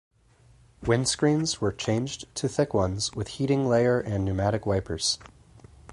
Windscreens were changed to thick ones with heating layer and pneumatic wipers.